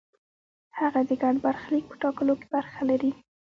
هغه د ګډ برخلیک په ټاکلو کې برخه اخلي.